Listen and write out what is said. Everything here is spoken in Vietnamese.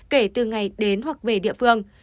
kể từ ngày đến hoặc về địa phương